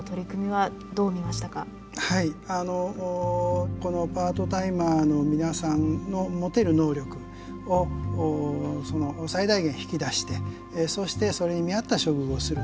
はいあのこのパートタイマーの皆さんの持てる能力を最大限引き出してそしてそれに見合った処遇をする。